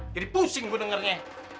jadi pusing gue dengernya